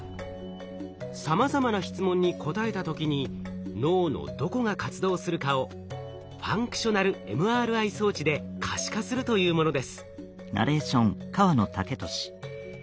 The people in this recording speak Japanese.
さまざまな質問に答えた時に脳のどこが活動するかをｆＭＲＩ装置で可視化するというものです。